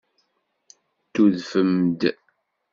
Tudfem-d.